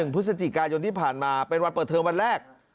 พฤศจิกายนที่ผ่านมาเป็นวันเปิดเทอมวันแรก